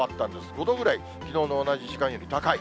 ５度ぐらい、きのうの同じ時間より高い。